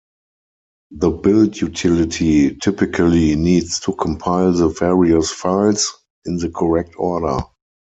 The build utility typically needs to compile the various files, in the correct order.